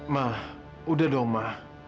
ma udah dong ma